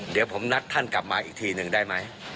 เดี๋ยวผมนัดท่านกลับมาอีกทีหนึ่งได้ไหม